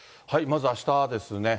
まず、あしたですね。